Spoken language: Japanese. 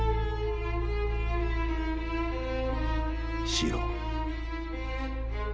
四郎。